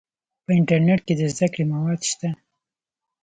په انټرنیټ کې د زده کړې مواد شته.